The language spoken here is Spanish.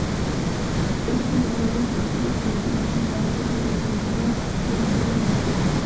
Estos jugadores pronto se convertirían en la base defensiva de los "Over-the-Hill".